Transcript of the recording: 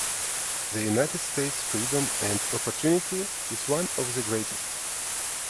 The United States freedom and opportunity is one of the greatest.